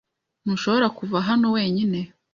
Ntushobora kuva hano wenyine.